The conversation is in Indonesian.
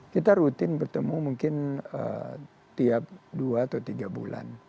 kita rutin bertemu mungkin tiap dua atau tiga bulan